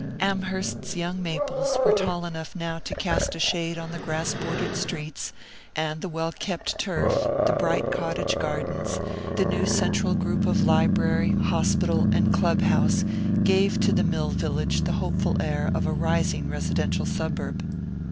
Amherst's young maples were tall enough now to cast a shade on the grass bordered streets; and the well kept turf, the bright cottage gardens, the new central group of library, hospital and club house, gave to the mill village the hopeful air of a "rising" residential suburb.